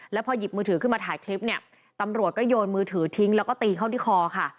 แล้วพอหยิบมือถือขึ้นมาถ่ายคลิปเนี่ยตำรวจก็โยนมือถือทิ้งแล้วก็ตีเข้าที่คอค่ะ